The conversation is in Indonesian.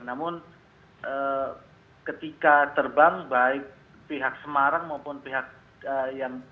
namun ketika terbang baik pihak semarang maupun pihak yang berada di jawa tengah